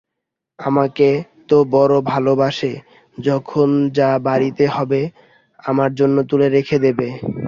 -আমাকে তো বড় ভালোবাসে-যখন যা বাড়িতে হবে, আমার জন্যে তুলে রেখে দেবে।